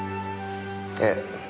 ええ。